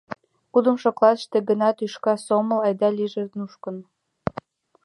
Кудымшо классыште гына тӱшка сомыл айда-лийже нушкын.